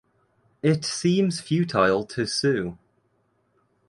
It seems futile to sue.